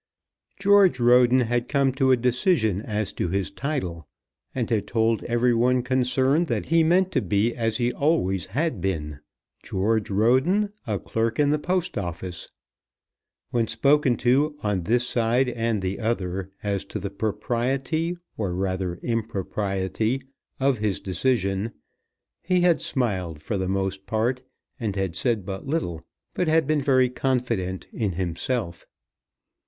George Roden had come to a decision as to his title, and had told every one concerned that he meant to be as he always had been, George Roden, a clerk in the Post Office. When spoken to, on this side and the other, as to the propriety, or rather impropriety, of his decision, he had smiled for the most part, and had said but little, but had been very confident in himself.